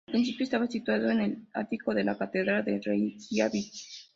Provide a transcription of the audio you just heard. Al principio, estaba situado en el ático de la Catedral de Reikiavik.